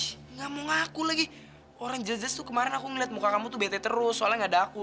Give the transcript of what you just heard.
nggak mau ngaku lagi orang jajaz tuh kemarin aku ngeliat muka kamu tuh bete terus soalnya gak ada aku